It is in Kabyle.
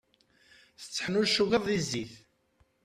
Tetteḥnuccuḍeḍ di zzit.